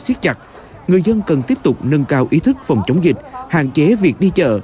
siết chặt người dân cần tiếp tục nâng cao ý thức phòng chống dịch hạn chế việc đi chợ